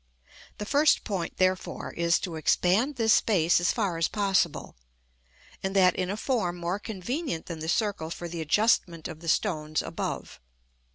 The first point, therefore, is to expand this space as far as possible, and that in a form more convenient than the circle for the adjustment of the stones above.